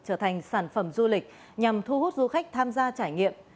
trở thành sản phẩm du lịch nhằm thu hút du khách tham gia trải nghiệm